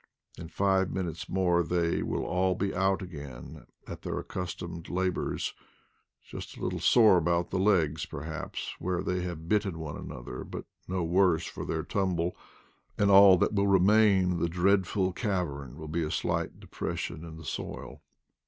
In five minutes more they will all be out again at their accustomed labors, just a little sore about the legs, perhaps, where they have bitten one another, but no worse for their tumble, and all that will remain of the dread ful cavern will be a slight depression in the soil.